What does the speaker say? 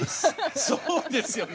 そうですよね。